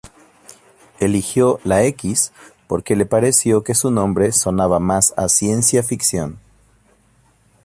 Eligió la X porque le pareció que su nombre sonaba más a ciencia ficción.